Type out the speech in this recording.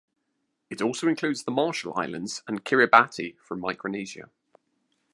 It also includes the Marshall Islands and Kiribati from Micronesia.